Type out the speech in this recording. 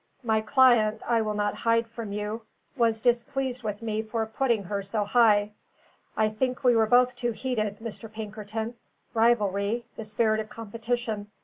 "My client, I will not hide from you, was displeased with me for putting her so high. I think we were both too heated, Mr. Pinkerton: rivalry the spirit of competition.